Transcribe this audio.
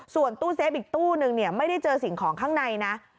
ส่วนตู้เซฟอีกตู้นึงไม่ได้เจอสิ่งของข้างในนะ